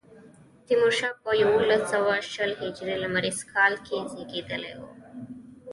تیمورشاه په یوولس سوه شل هجري لمریز کال کې زېږېدلی و.